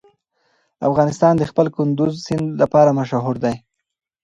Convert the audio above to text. افغانستان د خپل کندز سیند لپاره مشهور دی.